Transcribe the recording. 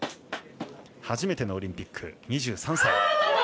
初めてのオリンピック、２３歳。